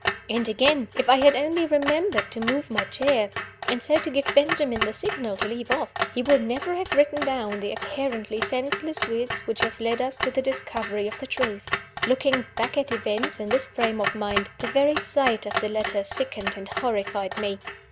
And, again, if I had only remembered to move my chair, and so to give Benjamin the signal to leave off, he would never have written down the apparently senseless words which have led us to the discovery of the truth. Looking back at events in this frame of mind, the very sight of the letter sickened and horrified me.